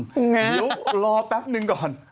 เดี๋ยวรอแป๊บนึงก่อน